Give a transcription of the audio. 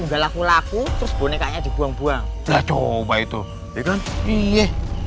enggak laku laku terus bonekanya dibuang buang lah coba itu ya kan iya